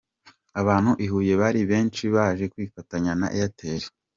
Abantu i Huye bari benshi baje kwifatanya na Airtel.